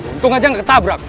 untung aja gak ketabrak